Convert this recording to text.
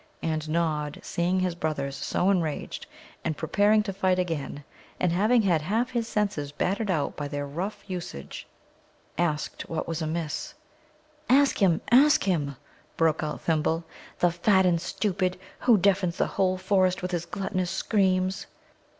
And Nod, seeing his brothers so enraged, and preparing to fight again, and having had half his senses battered out by their rough usage, asked what was amiss. "Ask him, ask him!" broke out Thimble, "the fat and stupid, who deafens the whole forest with his gluttonous screams."